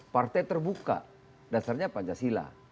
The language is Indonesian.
partai terbuka dasarnya pancasila